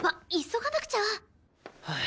急がなくちゃ。